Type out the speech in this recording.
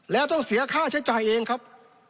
แล้วต้องเสียค่าใช้จ่ายเองครับ